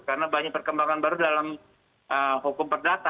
karena banyak perkembangan baru dalam hukum perdata